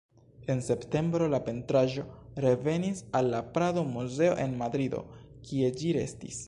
En septembro, la pentraĵo revenis al la Prado-Muzeo en Madrido, kie ĝi restis.